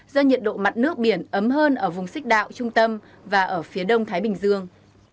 do nhiệt độ mặt nước biển ấm hơn ở vùng xích đạo trung tâm và ở phía đông thái bình dương